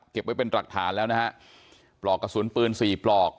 เก็บไว้เป็นตรักฐานแล้วนะครับปลอกกระสุนปืน๔ปลอก